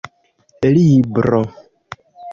libro